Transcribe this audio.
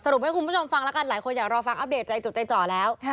รุปให้คุณผู้ชมฟังแล้วกันหลายคนอยากรอฟังอัปเดตใจจดใจจ่อแล้ว